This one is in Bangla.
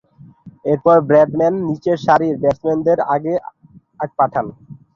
এরপর ব্র্যাডম্যান নিচেরসারির ব্যাটসম্যানদেরকে আগে পাঠান।